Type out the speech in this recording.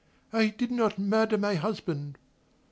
"I did not murder my husband."